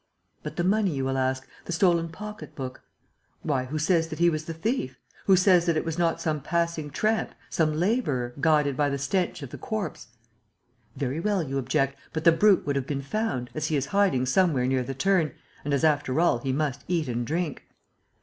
"But the money, you will ask, the stolen pocket book? Why, who says that he was the thief? Who says that it was not some passing tramp, some labourer, guided by the stench of the corpse? "Very well, you object, but the brute would have been found, as he is hiding somewhere near the turn, and as, after all, he must eat and drink.